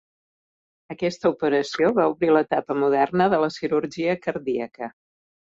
Aquesta operació va obrir l'etapa moderna de la cirurgia cardíaca.